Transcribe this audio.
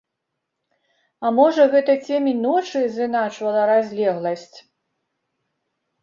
А можа, гэта цемень ночы зыначвала разлегласць.